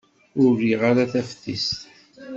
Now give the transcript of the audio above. Ur riɣ ara taftist.